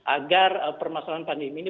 agar permasalahan pandemi ini